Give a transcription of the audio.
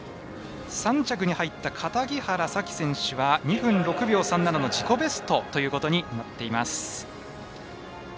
３着に入った樫原沙紀選手は２分６秒３７の自己ベストとなっています。